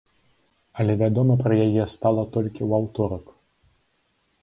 Але вядома пра яе стала толькі ў аўторак.